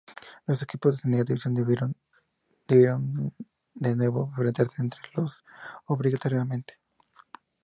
Los equipos de Segunda División debieron, de nuevo, enfrentarse entre sí obligatoriamente.